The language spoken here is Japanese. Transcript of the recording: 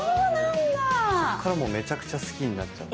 そっからもうめちゃくちゃ好きになっちゃって。